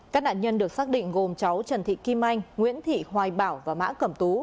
các nạn nhân được xác định gồm cháu trần thị kim anh nguyễn thị hoài bảo và mã cẩm tú